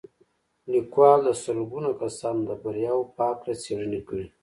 ليکوال د سلګونه کسانو د برياوو په هکله څېړنې کړې.